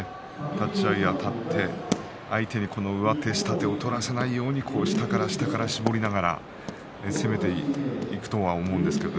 立ち合いあたって相手に上手、下手を取らせないように下から下から絞りながら攻めていくとは思うんですけれど。